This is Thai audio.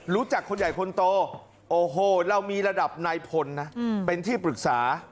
รู้จักคนใหญ่คนโตโอ้โหเรามีระดับนายพลนะเป็นที่ปรึกษา